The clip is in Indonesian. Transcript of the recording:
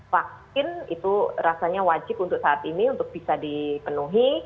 vaksin itu rasanya wajib untuk saat ini untuk bisa dipenuhi